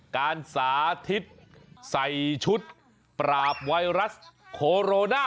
การสาธิตใส่ชุดปราบไวรัสโคโรนา